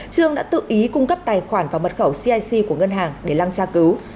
trương đã tự ý cung cấp tài khoản và mật khẩu cic của ngân hàng để lăng tra cứu